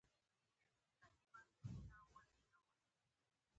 ږیره یې بشپړه پرېښودله.